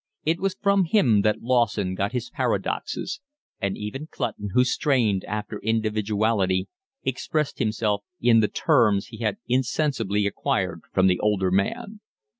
It was from him that Lawson got his paradoxes; and even Clutton, who strained after individuality, expressed himself in the terms he had insensibly acquired from the older man.